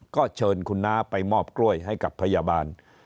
ก็เชิญคุณน้าไปมอบกล้วยให้กับพยาบาล